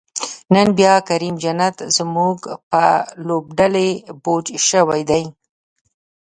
نن بیا کریم جنت زمونږ په لوبډلی بوج شوی دی